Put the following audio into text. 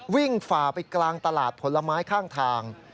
ฝ่าไปกลางตลาดผลไม้ข้างทาง